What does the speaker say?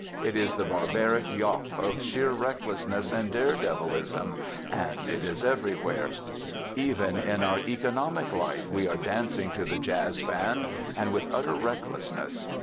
It is the barbaric yawp of sheer recklessness and daredevilism, and it is everywhere. "Even in our economic life we are dancing to the jazz band and with utter recklessness.